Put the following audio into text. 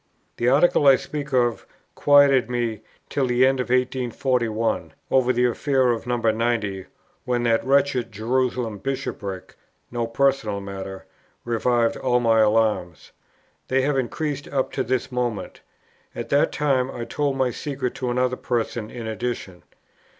The article I speak of quieted me till the end of 1841, over the affair of No. 90, when that wretched Jerusalem Bishopric (no personal matter) revived all my alarms. They have increased up to this moment. At that time I told my secret to another person in addition.